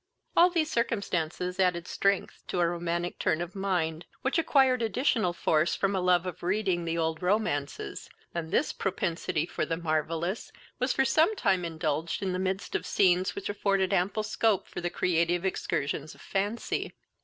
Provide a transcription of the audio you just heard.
All these circumstances added strength to a romantic turn of mind, which acquired additional force from a love of reading the old romances, and this propensity for the marvellous was for some time indulged in the midst of scenes which afforded ample scope for the creative excursions of fancy.